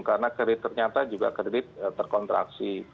karena kredit ternyata juga kredit terkontraksi